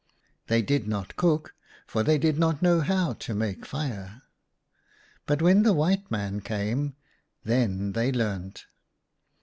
They did not cook, for they did not know how to make fire. But when the white man came, then they learnt.